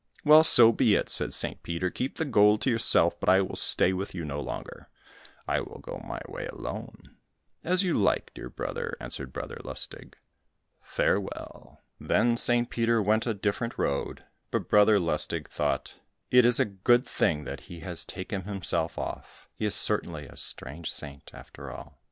"Well, so be it," said St. Peter, "keep the gold to yourself, but I will stay with you no longer; I will go my way alone." "As you like, dear brother," answered Brother Lustig. "Farewell." Then St. Peter went a different road, but Brother Lustig thought, "It is a good thing that he has taken himself off, he is certainly a strange saint, after all."